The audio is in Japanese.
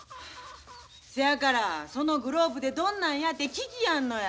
せやからそのグローブてどんなんやて聞きやんのや！